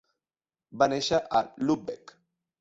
Va néixer a Lübeck.